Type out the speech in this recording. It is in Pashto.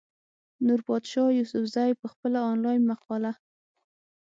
نوربادشاه يوسفزۍ پۀ خپله انلاين مقاله